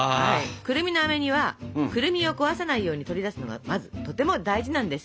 くるみのあめ煮はくるみを壊さないように取り出すのがまずとても大事なんです。